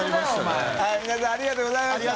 Г気ありがとうございました。